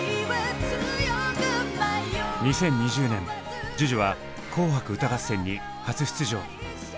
２０２０年ＪＵＪＵは「紅白歌合戦」に初出場。